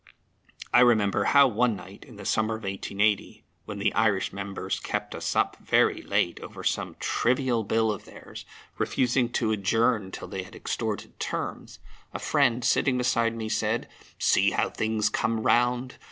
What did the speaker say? I remember how one night in the summer of 1880, when the Irish members kept us up very late over some trivial Bill of theirs, refusing to adjourn till they had extorted terms, a friend, sitting beside me, said, "See how things come round.